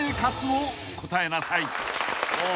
［を答えなさい］